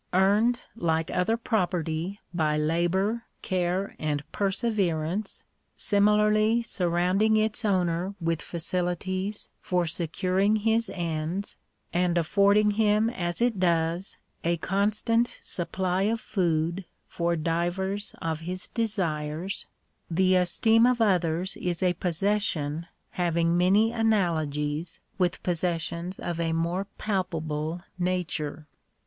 Earned like other property by labour, care, and perseverance — similarly surrounding its owner with facilities for securing his ends, and affording him as it does a constant supply of food for divers of his desires ; the esteem of others is a possession, having many analogies with possessions of a more palpable nature.